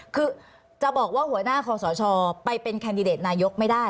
คือจะบอกว่าหัวหน้าคอสชไปเป็นแคนดิเดตนายกไม่ได้